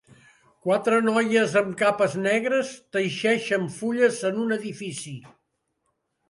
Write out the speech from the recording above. Quatre noies amb capes negres teixeixen fulles en un edifici.